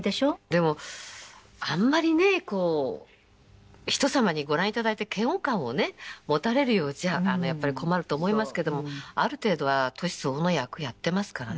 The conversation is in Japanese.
でもあんまりねこう人様にご覧いただいて嫌悪感をね持たれるようじゃやっぱり困ると思いますけどもある程度は年相応の役やってますからね。